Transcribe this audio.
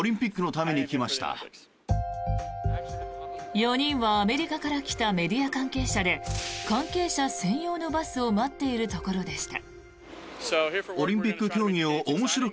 ４人はアメリカから来たメディア関係者で関係者専用のバスを待っているところでした。